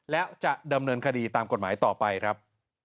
และจะดำเนินคดีตามกฎหมายต่อไปครับ